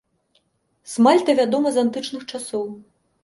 Смальта вядома з антычных часоў.